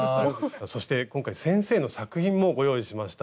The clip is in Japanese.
そして今回先生の作品もご用意しました。